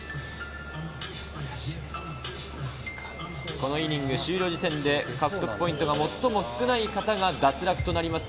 このイニング終了時点で獲得ポイントが最も少ない方が脱落となります。